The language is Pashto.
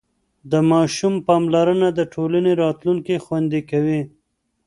د ماشوم پاملرنه د ټولنې راتلونکی خوندي کوي.